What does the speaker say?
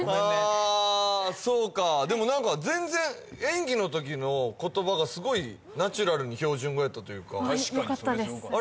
あそうかでも何か全然演技のときの言葉がすごいナチュラルに標準語やったというか確かにそれすごかったね